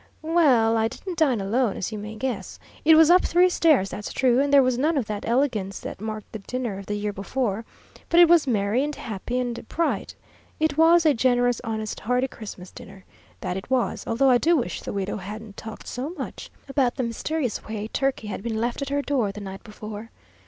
Well, I didn't dine alone, as you may guess. It was up three stairs, that's true, and there was none of that elegance that marked the dinner of the year before; but it was merry, and happy, and bright; it was a generous, honest, hearty Christmas dinner, that it was, although I do wish the widow hadn't talked so much about the mysterious way a turkey had been left at her door the night before.